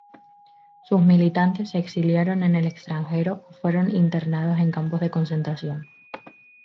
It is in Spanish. Sus militantes se exiliaron en el extranjero o fueron internados en campos de concentración.